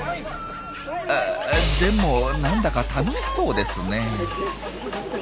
あでもなんだか楽しそうですねえ。